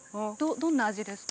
どんな味ですか？